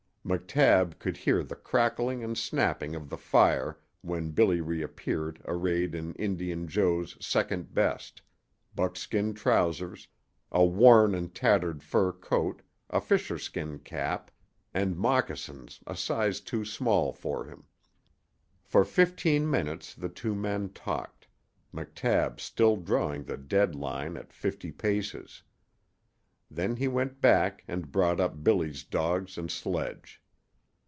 McTabb could hear the crackling and snapping of the fire when Billy reappeared arrayed in Indian Joe's "second best" buckskin trousers, a worn and tattered fur coat, a fisher skin cap, and moccasins a size too small for him. For fifteen minutes the two men talked, McTabb still drawing the dead line at fifty paces. Then he went back and brought up Billy's dogs and sledge.